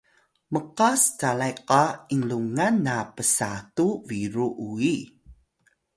mqas calay qa inlungan na psatu biru uyi